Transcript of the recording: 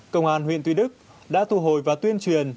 công an huyện tuy đức đã thu hồi và tuyên truyền